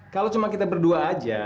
kalau cuma kita berdua aja